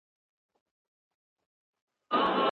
هغوی د سالم ژوند تمه لري.